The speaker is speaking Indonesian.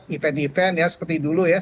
event event ya seperti dulu ya